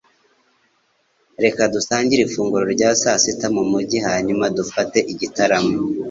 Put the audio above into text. Reka dusangire ifunguro rya sasita mumujyi hanyuma dufate igitaramo.